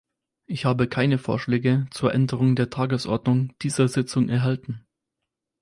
Ich habe keine Vorschläge zur Änderung der Tagesordnung dieser Sitzung erhalten.